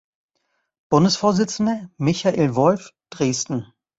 Bundesvorsitzender: Michael Wolf, Dresden